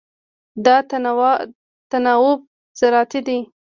دا تناوب زراعتي دی.